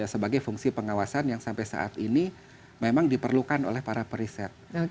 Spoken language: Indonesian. sebagai fungsi pengawasan yang sampai saat ini memang diperlukan oleh para periset